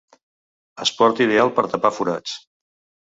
Esport ideal per tapar forats.